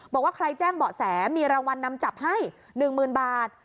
บอกว่าใครแจ้งเบาะแสมีรางวัลนำจับให้๑๐๐๐บาท